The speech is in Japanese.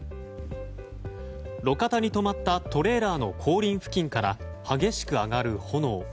路肩に止まったトレーラーの後輪付近から激しく上がる炎。